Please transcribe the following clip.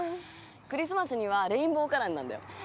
クリスマスにはレインボーカラーになるんだよ。